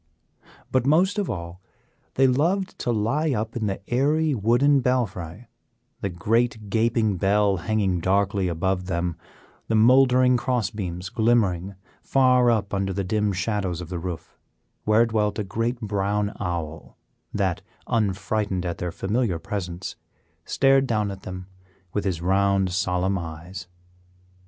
But most of all they loved to lie up in the airy wooden belfry; the great gaping bell hanging darkly above them, the mouldering cross beams glimmering far up under the dim shadows of the roof, where dwelt a great brown owl that, unfrightened at their familiar presence, stared down at them with his round, solemn eyes.